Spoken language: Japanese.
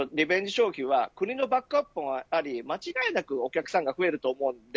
消費は国のバックアップもあり間違いなくお客さんが増えると思います。